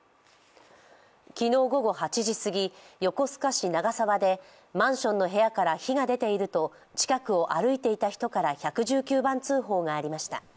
昨日午後８時過ぎ、横須賀市長沢でマンションの部屋から火が出ていると、近くを歩いていた人から１１９番通報がありました。